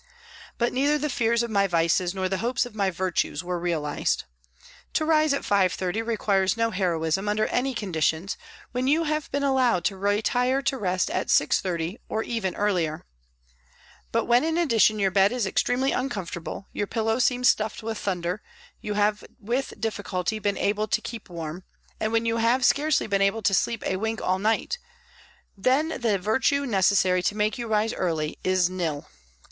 But neither the fears of my vices nor the hopes of my virtues were realised. To rise at 5.30 requires no heroism, under any conditions, when you have been allowed to retire to rest at 6.30 or even earlier ; but when hi addition your bed is extremely uncomfortable, your pillow seems stuffed with thunder, you have with difficulty been able to keep warm, and when you have THE HOSPITAL 93 scarcely been able to sleep a wink all night, then the virtue necessary to make you rise early is nil.